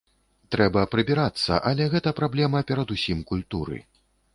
Трэба прыбірацца, але гэта праблема перадусім культуры.